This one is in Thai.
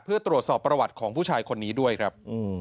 เพื่อตรวจสอบประวัติของผู้ชายคนนี้ด้วยครับ